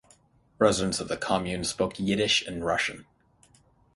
Residents of the commune spoke Yiddish and Russian.